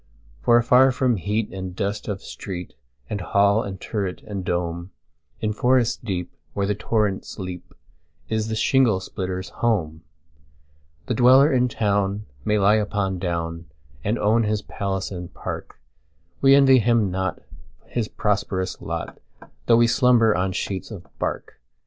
For afar from heat and dust of street, And hall and turret, and dome, In forest deep, where the torrents leap, Is the shingle splitter's home. The dweller in town may lie upon down, And own his palace and park:We envy him not his prosperous lot, Though we slumber on sheets of bark.